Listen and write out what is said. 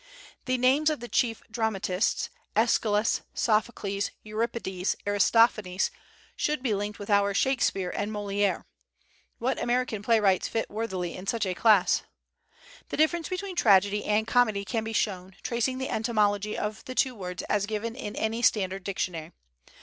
The names of the chief dramatists, Æschylus, Sophocles, Euripides, Aristophanes, should be linked with our Shakespeare and Molière, (What American playwrights fit worthily in such a class?) The difference between tragedy and comedy can be shown, tracing the etymology of the two words as given in any standard dictionary.